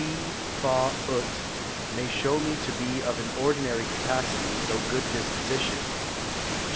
C Fa ut may show me to be of an ordinary capacity, though good disposition.